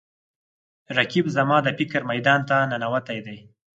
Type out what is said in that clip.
رقیب زما د فکر میدان ته ننوتی دی